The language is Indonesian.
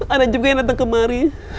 ada juga yang datang kemari